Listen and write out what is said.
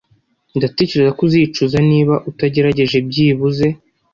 Ndatekereza ko uzicuza niba utagerageje byibuze